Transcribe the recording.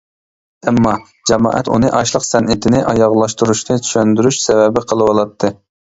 ئەمما، جامائەت ئۇنى ئاچلىق سەنئىتىنى ئاياغلاشتۇرۇشنى چۈشەندۈرۈش سەۋەبى قىلىۋالاتتى!